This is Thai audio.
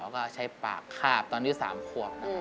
แล้วก็ใช้ปากคาบตอนที่๓ขวบนะครับ